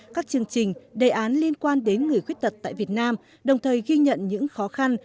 các chương trình đề án liên quan đến người khuyết tật tại việt nam đồng thời ghi nhận những khó khăn